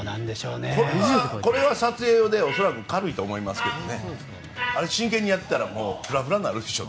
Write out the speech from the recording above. これは撮影用で軽いと思いますが真剣にやってたらフラフラになるでしょう。